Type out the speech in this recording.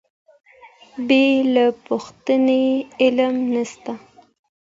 بې له پوښتنې علم نسته.